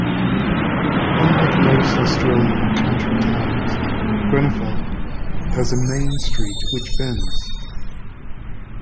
Unlike most Australian country towns Grenfell has a main street which bends.